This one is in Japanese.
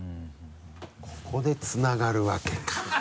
ここでつながるわけか。